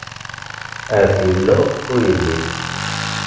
Ahat yella ur yelli.